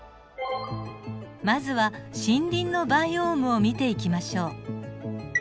まずは森林のバイオームを見ていきましょう。